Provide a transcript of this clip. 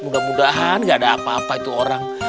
mudah mudahan gak ada apa apa itu orang